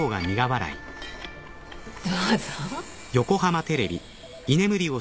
どうぞ。